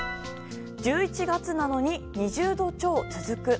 １１月なのに２０度超続く。